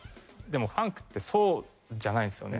でもファンクってそうじゃないんですよね。